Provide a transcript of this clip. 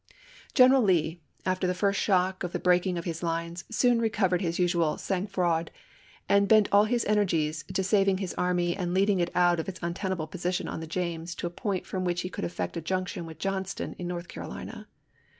G eneral Lee, after the first shock of the breaking of his lines, soon recovered his usual sangfroid, and bent all his energies to saving his army and leading it out of its untenable position on the James to a point from which he could effect a junction with Johnston in North Carolina.